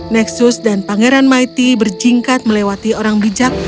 nexus dan pangeran maiti berjingkat melewati orang bijak